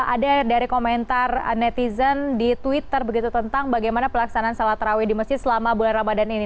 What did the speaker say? ada dari komentar netizen di twitter begitu tentang bagaimana pelaksanaan salat rawih di masjid selama bulan ramadan ini